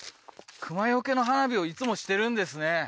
熊除けの花火をいつもしてるんですね